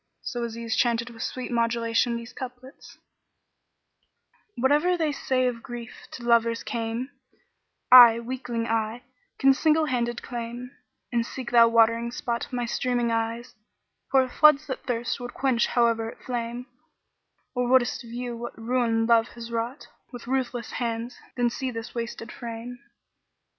So Aziz chanted with sweet modulation these couplets, "Whate'er they say of grief to lovers came, * I, weakling I, can single handed claim: An seek thou watering spot,[FN#41] my streaming eyes * Pour floods that thirst would quench howe'er it flame Or wouldest view what ruin Love has wrought * With ruthless hands, then see this wasted frame."